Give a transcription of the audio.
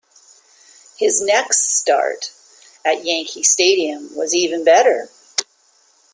His next start at Yankee Stadium was even better.